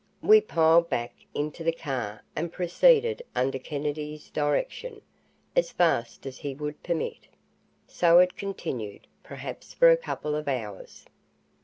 We piled back into the car and proceeded under Kennedy's direction, as fast as he would permit. So it continued, perhaps for a couple of hours.